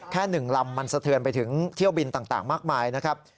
๑ลำมันสะเทือนไปถึงเที่ยวบินต่างมากมายนะครับ